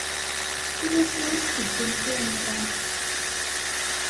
I wacu i ixeddem Si Remḍan?